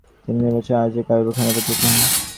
তিনি নির্বাচনের আয়োজক আইয়ুব খানের প্রতিপক্ষ হন।